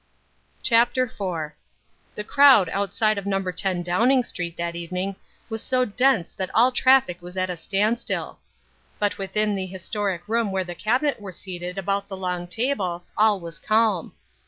CHAPTER IV The crowd outside of No. 10 Downing Street that evening was so dense that all traffic was at a standstill. But within the historic room where the Cabinet were seated about the long table all was calm.